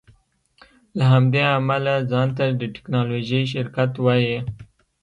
له همدې امله ځان ته د ټیکنالوژۍ شرکت وایې